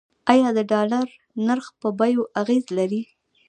آیا د ډالر نرخ په بیو اغیز لري؟